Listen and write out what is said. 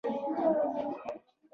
هر جسم د جاذبې له قوې لاندې راځي.